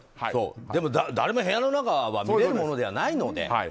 でも、誰も部屋の中は見れるものではないので。